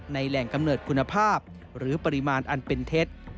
แหล่งกำเนิดคุณภาพหรือปริมาณอันเป็นเท็จ